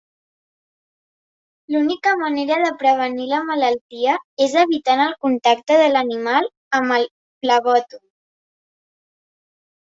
L'única manera de prevenir la malaltia és evitant el contacte de l'animal amb el flebòtom.